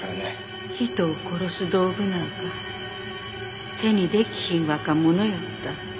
人を殺す道具なんか手にできひん若者やった。